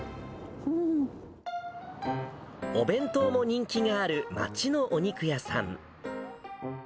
お弁当も人気がある町のお肉屋さん。